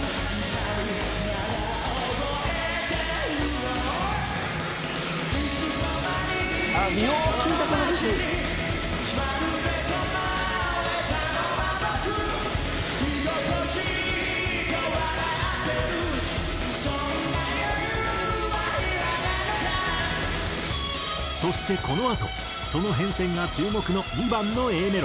「よう聴いたこの曲」そしてこのあとその変遷が注目の２番のＡメロ。